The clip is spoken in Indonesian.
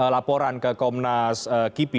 laporan ke komnas kipi